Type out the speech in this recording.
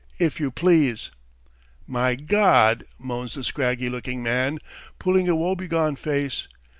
If you please!" "My God!" moans the scraggy looking man, pulling a woebegone face.